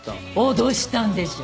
脅したんでしょ。